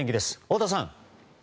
太田さん。